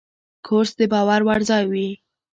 کورس د باور وړ ځای وي.